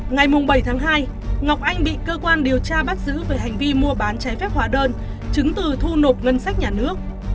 ngày bảy tháng hai ngọc anh bị cơ quan điều tra bắt giữ về hành vi mua bán trái phép hóa đơn chứng từ thu nộp ngân sách nhà nước